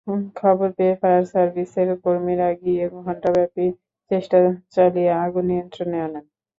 খবর পেয়ে ফায়ার সার্ভিসের কর্মীরা গিয়ে ঘণ্টাব্যাপী চেষ্টা চালিয়ে আগুন নিয়ন্ত্রণে আনেন।